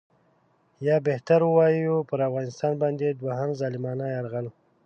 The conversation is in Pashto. یا بهتر ووایو پر افغانستان باندې دوهم ظالمانه یرغل.